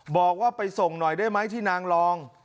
บอกว่าไปส่งหน่อยได้ไหมที่นางรอง